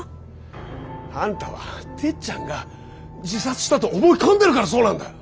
あんたはてっちゃんが自殺したと思い込んでるからそうなんだ！